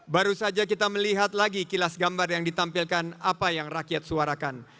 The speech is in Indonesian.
baru saja kita melihat lagi kilas gambar yang ditampilkan apa yang rakyat suarakan